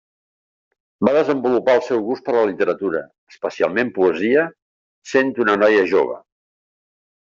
Va desenvolupar el seu gust per la literatura, especialment poesia, sent una noia jove.